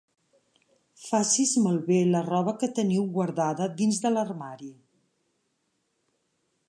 Facis malbé la roba que teniu guardada dins de l'armari.